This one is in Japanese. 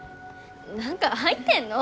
何か入ってんの？